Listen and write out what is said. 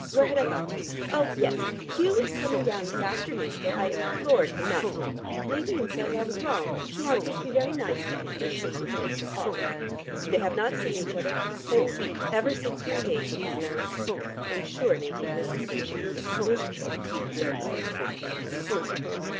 Where had I got to? Oh, yes, Hugh is coming down this afternoon though I implored him not to. Nadine says I was wrong. She wants me to be very nice to him, as she has been so horrid. They have not seen each other for a whole week, ever since her engagement was announced. I am sure Nadine misses him; she will be miserable if Hugh deserts her."